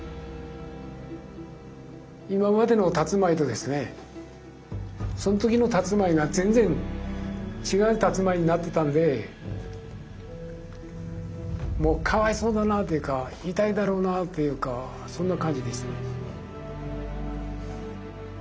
今までのたつまいとですねその時のたつまいが全然違うたつまいになってたんでもうかわいそうだなというか痛いだろうなというかそんな感じでしたね。